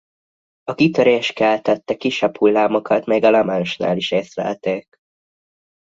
A kitörés keltette kisebb hullámokat még a La Manche-nál is észlelték.